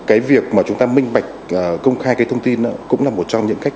cái việc mà chúng ta minh bạch công khai cái thông tin cũng là một trong những cách